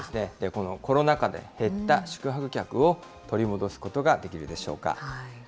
このコロナ禍で減った宿泊客を取り戻すことができるでしょうか。